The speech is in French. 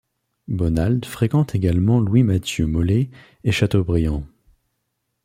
Bonald fréquente également Louis-Mathieu Molé et Chateaubriand.